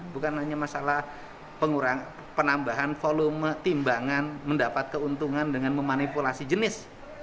bukan hanya masalah penambahan volume timbangan mendapat keuntungan dengan memanipulasi jenis